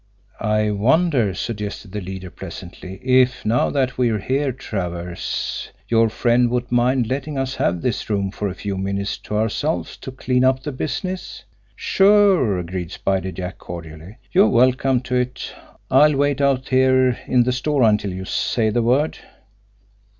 "I wonder," suggested the leader pleasantly, "if, now that we're here, Travers, your friend would mind letting us have this room for a few minutes to ourselves to clean up the business?" "Sure!" agreed Spider Jack cordially. "You're welcome to it! I'll wait out here in the store until you say the word."